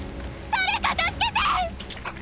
誰か助けてッ！